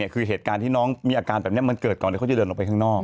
คือเหตุการณ์ที่น้องมีอาการแบบนี้มันเกิดก่อนที่เขาจะเดินออกไปข้างนอก